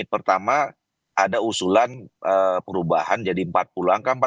pertama ada usulan perubahan jadi empat puluh angka empat puluh